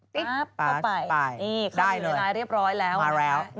ติ๊กปล่อยได้เลยมาแล้ว